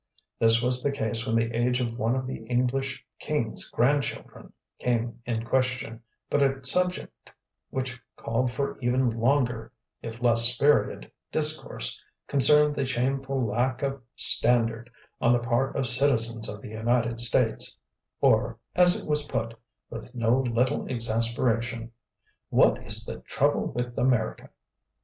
This was the case when the age of one of the English king's grandchildren came in question, but a subject which called for even longer (if less spirited) discourse concerned the shameful lack of standard on the part of citizens of the United States, or, as it was put, with no little exasperation, "What is the trouble with America?"